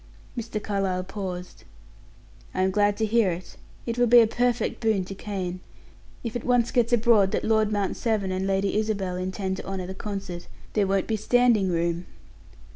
Mr. Carlyle paused. "I am glad to hear it; it will be a perfect boon to Kane. If it once gets abroad that Lord Mount Severn and Lady Isabel intend to honor the concert, there won't be standing room."